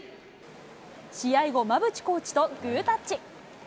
試合後、馬淵コーチとグータッチ。